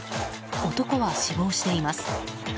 男は死亡しています。